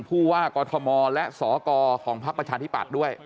ผู้ว่ากฎมอล์และสอกรของภาคประชาธิบัติด้วย